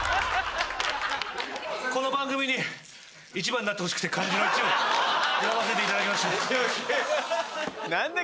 この番組に１番になってほしくて漢字の「一」を選ばせていただきました。